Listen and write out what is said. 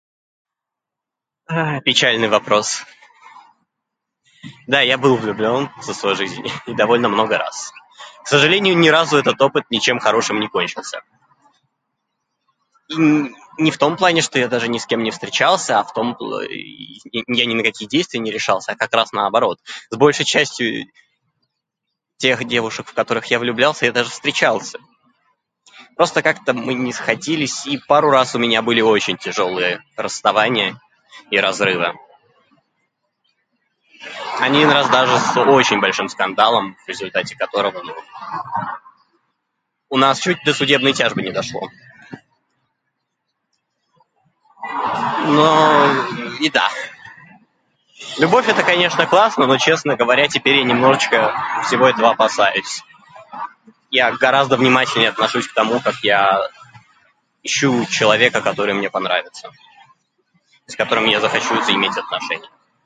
А-а, печальный вопрос. Да, я был влюблен в своей жизни, и довольно много раз. К сожалению, ни разу этот опыт ни разу ничем хорошим не кончился. И-и не в том плане, что я даже ни с кем не встречался, а в том пл- [disfluency|и-и-и] и я не на какие действия не решался, а как раз наоборот. С большей частью тех девушек, в которых я влюблялся, я даже встречался. Просто как-то мы не сходились, и пару раз у меня были очень тяжёлые расставания и разривы. Один раз даже с очень большим скандалом, в результате которого, ну, у нас чуть до судебной тяжбы не дошло. Но-о-о, и да, любовь - это, конечно, классно, но, честно говоря, теперь я немножечко всего этого опасаюсь. Я гораздо внимательнее отношусь к тому, как я ищу человека, который мне понравится, и с которым я захочу заиметь отношения.